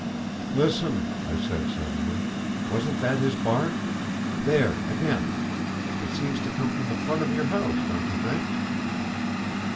"Listen," I said, suddenly, "wasn't that his bark? There, again; it seems to come from the front of your house, don't you think?"